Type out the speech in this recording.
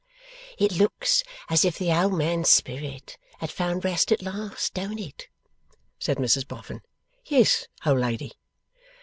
'It looks as if the old man's spirit had found rest at last; don't it?' said Mrs Boffin. 'Yes, old lady.